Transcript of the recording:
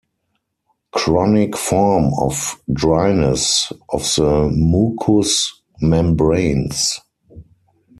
Chronic form of dryness of the mucous membranes.